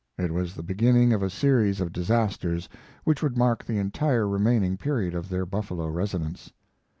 It was the beginning of a series of disasters which would mark the entire remaining period of their Buffalo residence.